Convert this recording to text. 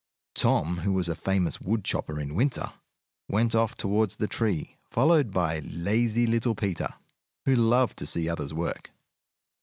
] Tom, who was a famous woodchopper in winter, went off toward the tree, followed by lazy little Peter, who loved to see others work.